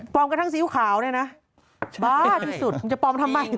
กระทั่งซีอิ๊วขาวเนี่ยนะบ้าที่สุดผมจะปลอมทำไม